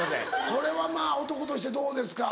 これは男としてどうですか？